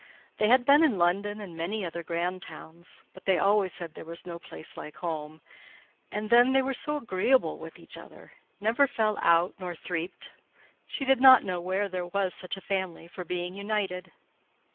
They had been in London, and many other grand towns; but they always said there was no place like home; and then they were so agreeable with each other—never fell out nor "threaped." She did not know where there was such a family for being united.